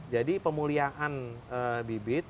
jadi pemuliakan bibit